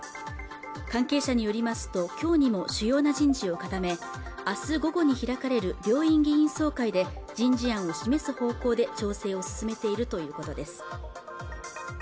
関係者によりますときょうにも主要な人事を固め明日午後に開かれる両院議員総会で人事案を示す方向で調整を進めているということです